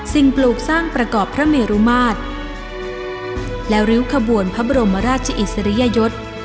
ปลูกสร้างประกอบพระเมรุมาตรและริ้วขบวนพระบรมราชอิสริยยศ